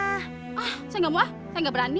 ah saya gak mau ah saya gak berani